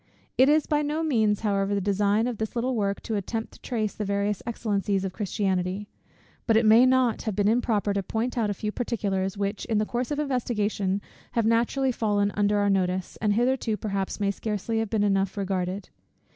It is by no means however the design of this little work to attempt to trace the various excellencies of Christianity; but it may not have been improper to point out a few particulars, which, in the course of investigation, have naturally fallen under our notice, and hitherto perhaps may scarcely have been enough regarded.